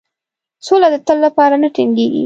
سوله د تل لپاره نه ټینګیږي.